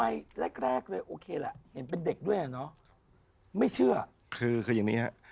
พระพุทธพิบูรณ์ท่านาภิรม